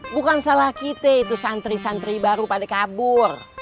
bukan salah kita itu santri santri baru pada kabur